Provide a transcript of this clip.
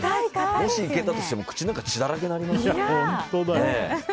もしいけたとしても口の中血だらけになりますよ。